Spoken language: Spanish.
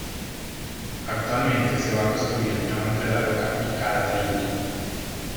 Actualmente se va a construir el tramo entre Daroca y Calatayud.